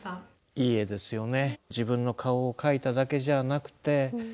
いい絵ですよね。